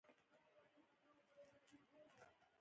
دا مفکورې یوازې په ګډ ذهن کې ژوند لري.